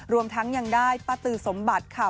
รวมทั้งยังได้ป้าตือสมบัติค่ะ